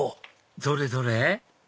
どれどれ？